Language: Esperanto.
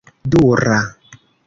dura